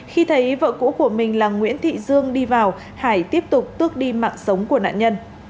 khi thấy vợ cũ của mình là nguyễn thị dương đi vào hải tiếp tục tước đi mạng sống của nạn nhân